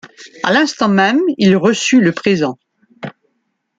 A l'instant même il reçut le présent.